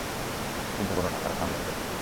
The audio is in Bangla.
চিন্তা করো না, তারা সামলে নিবে।